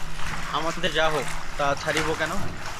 আমাদের যা হক তা ছাড়িব কেন?